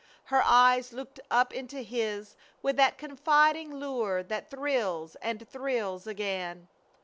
Her eyes looked up into his with that confiding lure that thrills and thrills again.